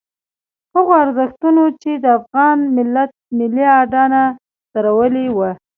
هغو ارزښتونو چې د افغان ملت ملي اډانه درولې وه.